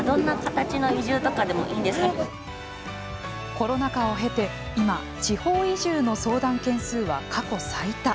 コロナ禍を経て、今地方移住の相談件数は過去最多。